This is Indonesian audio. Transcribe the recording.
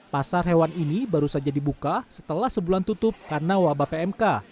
pasar hewan ini baru saja dibuka setelah sebulan tutup karena wabah pmk